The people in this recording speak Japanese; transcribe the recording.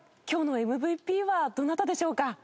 今日のＭＶＰはどなたでしょうか？